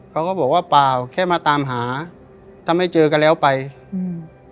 เขาก็บอกว่าเปล่าแค่มาตามหาถ้าไม่เจอกันแล้วไปอืม